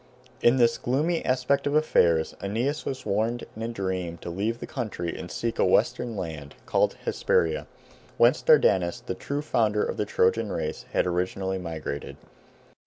In this gloomy aspect of affairs Aeneas was warned in a dream to leave the country and seek a western land, called Hesperia, whence Dardanus, the true founder of the Trojan race, had originally migrated.